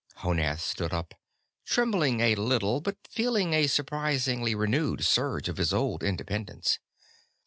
Honath stood up, trembling a little, but feeling a surprisingly renewed surge of his old independence.